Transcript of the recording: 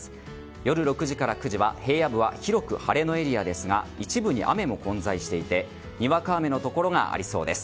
夜６時から９時は平野部は広く晴れのエリアですが一部に雨も混在していてにわか雨のところがありそうです。